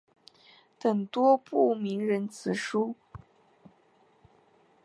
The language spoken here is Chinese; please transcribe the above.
等多部名人辞书。